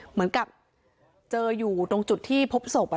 เหมือนกับเจออยู่ตรงจุดที่พบศพ